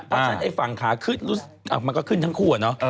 เพราะฉะนั้นไอ้ฝั่งขาขึ้นมันก็ขึ้นทั้งคู่อะเนาะ